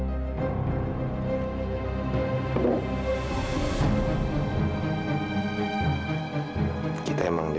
kapan dua temen sama enggak